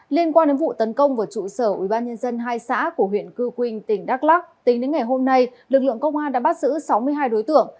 liên quan đến vụ tấn công vào trụ sở ubnd hai xã của huyện cư quỳnh tỉnh đắk lắc tính đến ngày hôm nay lực lượng công an đã bắt giữ sáu mươi hai đối tượng